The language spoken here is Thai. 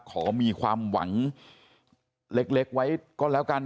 ขอมีความหวังเล็กไว้ก็แล้วกัน